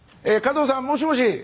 加藤さんもしもし？